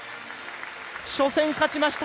初戦、勝ちました！